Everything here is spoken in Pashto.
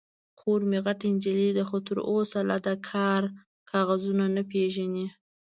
_خور مې غټه نجلۍ ده، خو تر اوسه لا د کار کاغذونه نه پېژني.